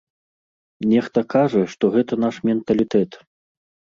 Нехта кажа, што гэта наш менталітэт.